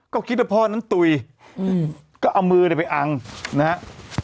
ก็คิดว่าพ่อนั้นตุ๋ยก็เอามือไปอังนะฮะ